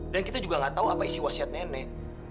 dan kita juga gak tahu apa isi wasiat nenek